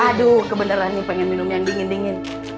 aduh kebenaran nih pengen minum yang dingin dingin